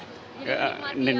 dinikmatin ya pak